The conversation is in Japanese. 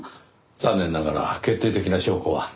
残念ながら決定的な証拠は何も。